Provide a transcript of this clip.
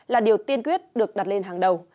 là điều tiên quyết được đặt lên hàng đầu